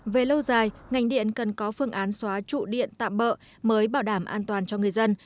về lâu dài ngành điện cần có phương án xóa trụ điện tạm bỡ mới bảo đảm an toàn cho người dân